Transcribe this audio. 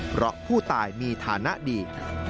เพราะผู้ตายมีฐานะดี